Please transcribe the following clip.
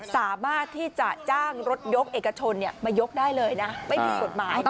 สามารถที่จะจ้างรถยกเอกชนมายกได้เลยนะไม่มีกฎหมาย